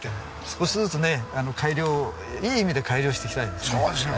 少しずつね改良いい意味で改良していきたいですね。